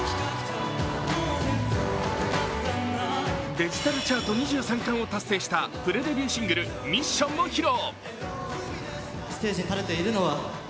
デジタル・チャート２３冠を達成したプレデビューシングル「ＭＩＳＳＩＯＮ」も披露。